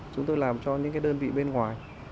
chúng tôi làm cho những đơn vị bên ngoài